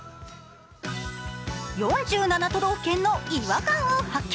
４７都道府県の違和感を発見。